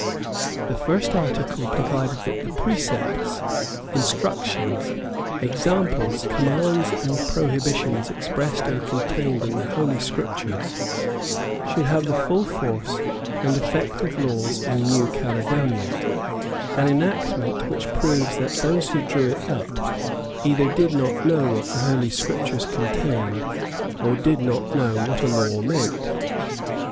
The first article provided that the precepts, instructions, examples, commands and prohibitions expressed and contained in the Holy Scriptures should have the full force and effect of laws in New Caledonia, an enactment which proves that those who drew it up either did not know what the Holy Scriptures contained or did not know what a law meant.